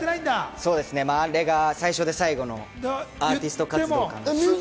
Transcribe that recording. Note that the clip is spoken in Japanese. そうですね、あれが最初で最後のアーティスト活動かな。